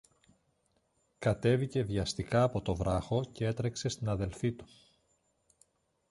Κατέβηκε βιαστικά από το βράχο κι έτρεξε στην αδελφή του.